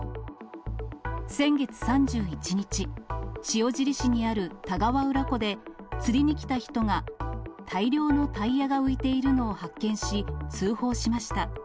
先月３１日、塩尻市にある田川浦湖で、釣りに来た人が大量のタイヤが浮いているのを発見し、通報しました。